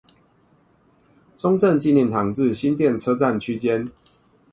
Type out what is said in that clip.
中正紀念堂至新店車站區間